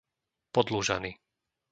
Podlužany